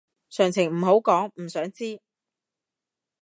詳情唔好講，唔想知